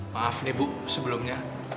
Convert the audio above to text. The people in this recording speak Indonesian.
maaf nih bu sebelumnya